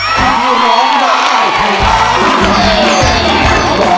ร้องร้านทะเล